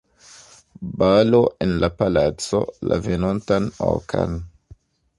Balo en la palaco, la venontan okan.